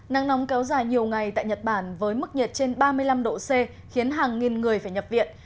nắng nóng kéo dài nhiều ngày tại nhật bản với mức nhiệt trên ba mươi năm độ c khiến hàng nghìn người phải nhập viện